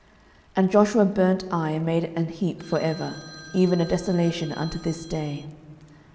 06:008:028 And Joshua burnt Ai, and made it an heap for ever, even a desolation unto this day.